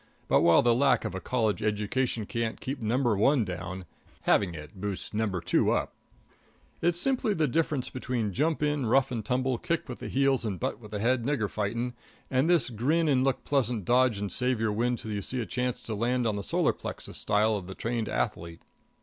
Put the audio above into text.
But while the lack of a college education can't keep No. 1 down, having it boosts No. 2 up. It's simply the difference between jump in, rough and tumble, kick with the heels and butt with the head nigger fighting, and this grin and look pleasant, dodge and save your wind till you see a chance to land on the solar plexus style of the trained athlete.